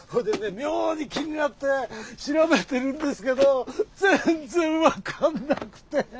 妙に気になって調べてるんですけど全然分かんなくて。